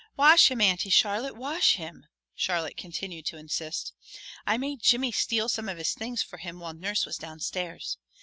"Wash him, Auntie Charlotte, wash him," Charlotte continued to insist. "I made Jimmy steal some of his things for him while nurse was downstairs.